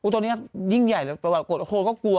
ตอนนี้ยิ่งใหญ่คนก็กลัว